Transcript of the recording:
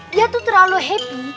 dia tuh terlalu happy